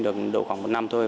được độ khoảng một năm thôi